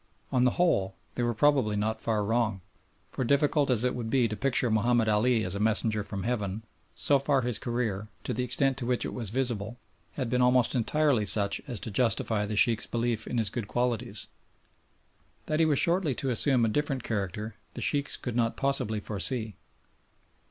On the whole they were probably not far wrong, for difficult as it would be to picture Mahomed Ali as a messenger from heaven, so far his career, to the extent to which it was visible, had been almost entirely such as to justify the Sheikhs' belief in his good qualities. That he was shortly to assume a different character the Sheikhs could not possibly foresee.